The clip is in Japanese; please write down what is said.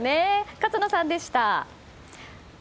勝野さんでした。